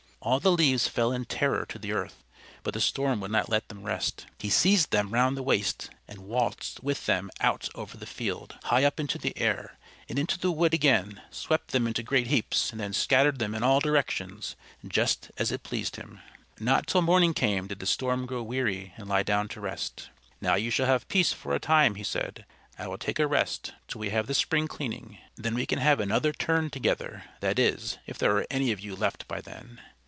All the leaves fell in terror to the earth, but the Storm would not let them rest. He seized them round the waist and waltzed with them out over the field, high up into the air, and into the wood again, swept them into great heaps, and then scattered them in all directions just as it pleased him. Not till morning came did the Storm grow weary and lie down to rest. "Now you shall have peace for a time," he said. "I will take a rest till we have the spring cleaning. Then we can have another turn together that is, if there are any of you left by then."